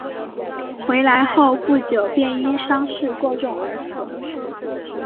回来后不久便因伤势过重而死。